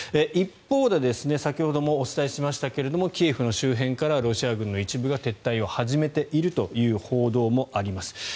一方で先ほどもお伝えしましたがキエフの周辺からロシア軍の一部が撤退を始めているという報道もあります。